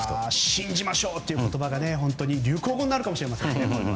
信じましょうという言葉が流行語になるかもしれませんね。